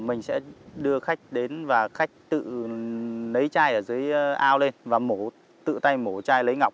mình sẽ đưa khách đến và khách tự lấy chai ở dưới ao lên và mổ tự tay mổ chai lấy ngọc